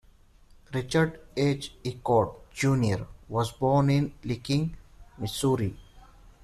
Richard H. Ichord Junior was born in Licking, Missouri.